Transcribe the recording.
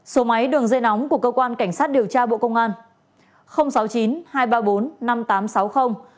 số máy đường dây nóng của cơ quan cảnh sát điều tra bộ công an